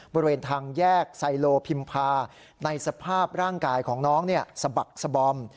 บริเวณทางแยกไซโลพิมพาในสภาพร่างกายของน้องสะบักสบอม